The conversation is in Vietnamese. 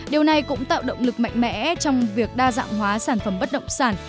điều này cũng tạo động lực mạnh mẽ trong việc đa dạng hóa sản phẩm bất động sản